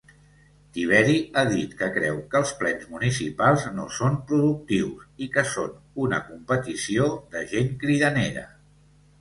Tiberi ha dit que creu que els plens municipals no són "productius" i que són "una competició de gent cridanera".